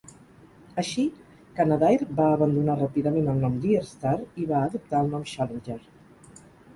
Així, Canadair va abandonar ràpidament el nom "LearStar" i va adoptar el nom "Challenger".